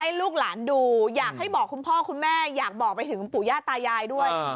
ลูกหลานดูอยากให้บอกคุณพ่อคุณแม่อยากบอกไปถึงปู่ย่าตายายด้วย